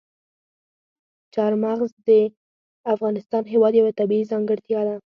چار مغز د افغانستان هېواد یوه طبیعي ځانګړتیا ده.